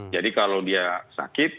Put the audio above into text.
jadi kalau dia sakit